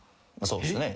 そうっすね。